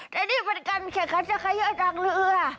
นี่นี่เป็นการแข่งขันชักขยืดทางเรือ